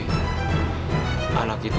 terima kasih bu